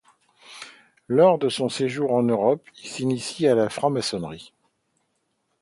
Lors de son séjour en Europe il s'initie à la franc maçonnerie.